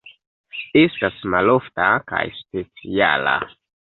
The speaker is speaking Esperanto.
Estas malofta kaj speciala.